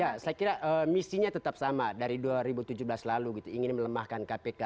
ya saya kira misinya tetap sama dari dua ribu tujuh belas lalu gitu ingin melemahkan kpk